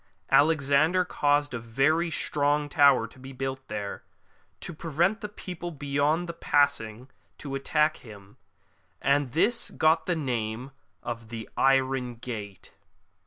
Alexander caused a very strong tower to be built there, to prevent the people beyond from passing to attack him, and this got the name of the Iron Gate.